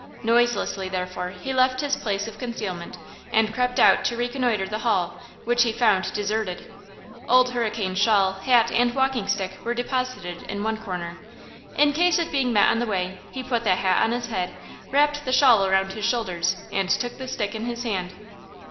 Noiselessly, therefore, he left his place of concealment and crept out to reconnoitre the hall, which he found deserted. Old Hurricane's shawl, hat and walking stick were deposited in one corner. In case of being met on the way, he put the hat on his head, wrapped the shawl around his shoulders, and took the stick in his hand.